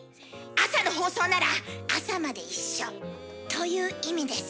朝の放送なら朝まで一緒という意味です。